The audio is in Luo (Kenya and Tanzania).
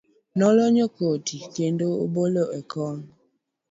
Nolonyo koti kendo obolo e kom.